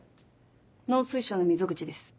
農水省の溝口です。